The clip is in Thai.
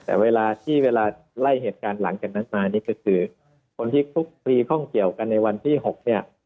แต่เวลาที่เวลาไล่เหตุการณ์หลังจากนั้นมานี่ก็คือคนที่คลุกคลีข้องเกี่ยวกันในวันที่๖เนี่ย